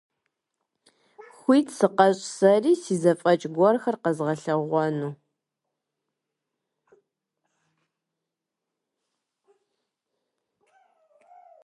Хуит сыкъэщӀ сэри си зэфӀэкӀ гуэрхэр къэзгъэлъэгъуэну.